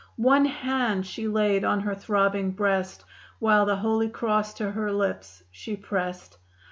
One hand she laid on her throbbing breast, While the Holy Cross to her lips she pressed.